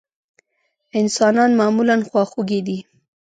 انسانان معمولا خواخوږي دي.